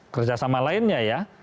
kerjasama lainnya ya